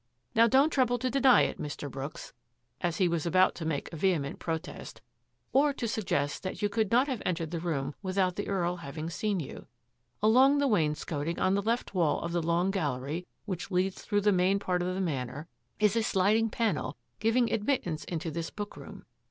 Now don't trouble to deny it, Mr. Brooks," as he was about to make a vehement protest, " or to suggest that you could not have entered the room without the Earl having seen you. Along the wainscoting on the left wall of the long gallery which leads through the main part of the Manor is a sliding panel giving admit tance into this bookroom.